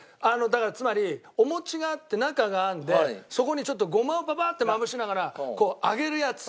だからつまりお餅があって中があんでそこにちょっとごまをパパッてまぶしながら揚げるやつ。